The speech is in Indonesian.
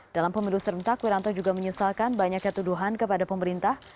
dalam pemilu serentak wiranto juga menyesalkan banyaknya tuduhan kepada pemerintah